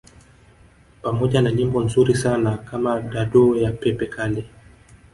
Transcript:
Pamoja na nyimbo nzuri sana kama Dadou ya Pepe Kalle